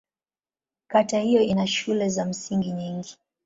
Kata hiyo ina shule za msingi nyingi.